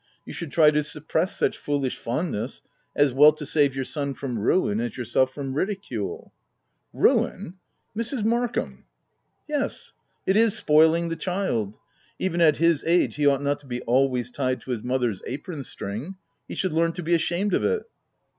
" You should try to sup press such foolish fondness, as well to save your son from ruin as yourself from ridicule." " Ruin, Mrs. Markham ?"" Yes ; it is spoiling the child. Even at his age, he ought not to be always tied to his mother's apron string ; he should learn to be ashamed of it."